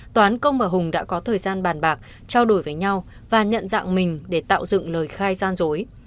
toán công và hùng đã có thời gian bàn bạc trao đổi với nhau và nhận dạng mình để tạo dựng lời khai gian dối